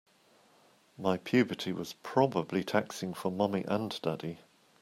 My puberty was probably taxing for mommy and daddy.